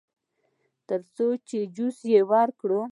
ترڅو چې جوښ وکړي.